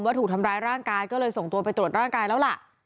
ถูกทำร้ายร่างกายก็เลยส่งตัวไปตรวจร่างกายแล้วล่ะ